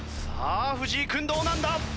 さあ藤井君どうなんだ？